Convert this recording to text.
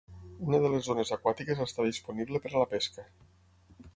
Una de les zones aquàtiques està disponible per a la pesca.